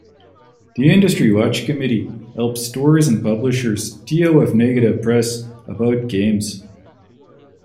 The Industry Watch Committee helps stores and publishers deal with negative press about games.